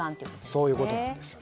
そういうことです。